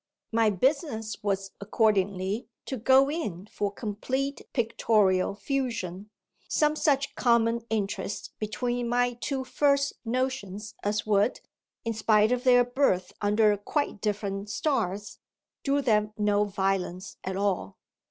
My business was accordingly to "go in" for complete pictorial fusion, some such common interest between my two first notions as would, in spite of their birth under quite different stars, do them no violence at all.